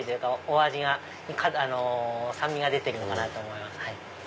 お味が酸味が出てるのかなと思います。